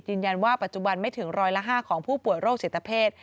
ยืนยันว่าปัจจุบันไม่ถึงร้อยละ๕ของผู้ป่วยโรคจิตเพศ